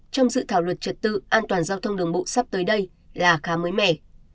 trong dự thảo luật trật tự an toàn giao thông đường bộ sắp tới đây là khá mới mẻ